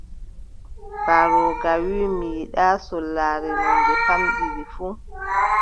Mbarooga wii: mi yiɗaa sollaare no nde famɗiri fuu!».